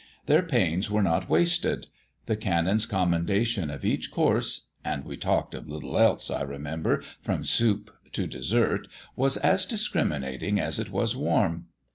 Their pains were not wasted. The Canon's commendation of each course and we talked of little else, I remember, from soup to dessert was as discriminating as it was warm.